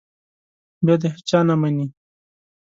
بیا د هېچا نه مني.